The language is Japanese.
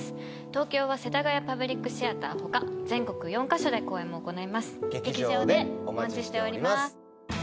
東京は世田谷パブリックシアター他全国４か所で公演も行います劇場でお待ちしております